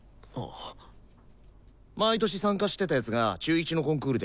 毎年参加してた奴が中１のコンクールでパッタリだからさ。